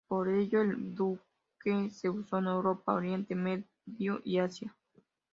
Por ello el buque se usó en Europa, Oriente Medio y Asia.